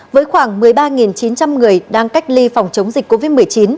với khoảng một mươi ba chín trăm linh người đang cách ly phòng chống dịch covid một mươi chín